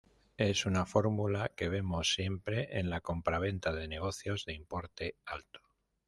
Es una fórmula que vemos siempre en la compraventa de negocios de importe alto.